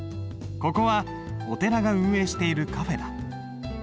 ここはお寺が運営しているカフェだ。